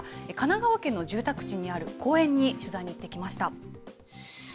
神奈川県の住宅地にある公園に取材に行ってきました。